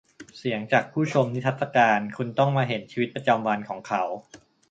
เสียงจากผู้ชมนิทรรศการ : คุณต้องมาเห็นชีวิตประจำวันของเขา